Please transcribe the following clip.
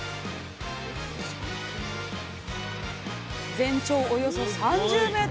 全長およそ３０ｍ。